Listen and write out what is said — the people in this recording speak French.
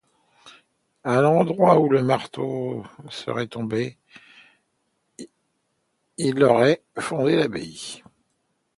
À l'endroit où le marteau serait tombé, il aurait fondé l'abbaye.